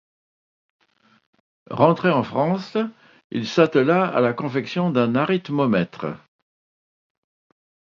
Rentré en France il s'attela à la confection d'un arithmomètre.